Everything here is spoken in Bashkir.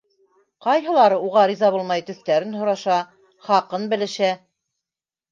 Ҡайһылары уға риза булмай, төҫтәрен һораша, хаҡын белешә.